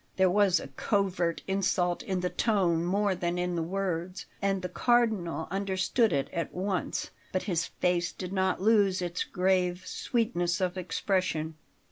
There was a covert insult in the tone more than in the words, and the Cardinal understood it at once; but his face did not lose its grave sweetness of expression.